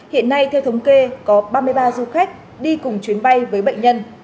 hiện nay theo thống kê có ba mươi ba du khách đi cùng chuyến bay với bệnh nhân